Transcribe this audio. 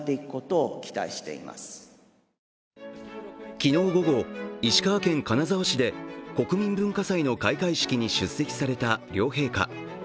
昨日午後、石川県金沢市で国民文化祭の開会式に出席された両陛下。